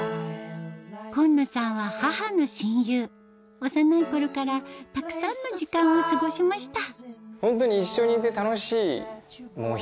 今野さんは母の親友幼い頃からたくさんの時間を過ごしましたホントに。